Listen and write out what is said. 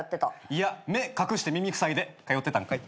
いや目隠して耳ふさいで通ってたんかい。